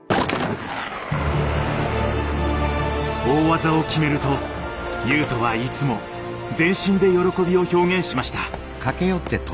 大技を決めると雄斗はいつも全身で喜びを表現しました。